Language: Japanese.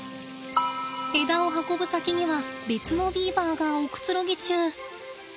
枝を運ぶ先には別のビーバーがおくつろぎ中。